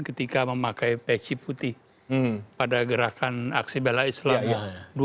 ketika memakai peci putih pada gerakan aksi belai islam dua ratus dua belas